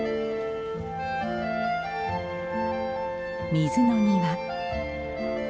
水の庭。